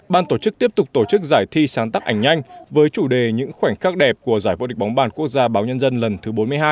ban tổ chức tiếp tục tổ chức giải thi sáng tác ảnh nhanh với chủ đề những khoảnh khắc đẹp của giải vô địch bóng bàn quốc gia báo nhân dân lần thứ bốn mươi hai